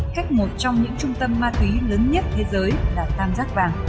khách một trong những trung tâm ma túy lớn nhất thế giới là tam giác vàng